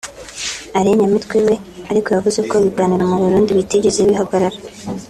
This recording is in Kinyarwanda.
Alain Nyamitwe we ariko yavuze ko ibiganiro mu Burundi bitigeze bihagarara